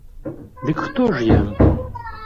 Дык хто ж я?